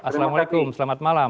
assalamualaikum selamat malam